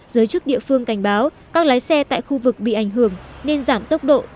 giới chức địa phương cảnh báo các lái xe tại khu vực bị ảnh hưởng nên giảm tốc độ